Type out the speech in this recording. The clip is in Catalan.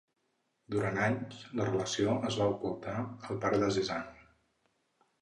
Durant anys, la relació es va ocultar al pare de Cézanne.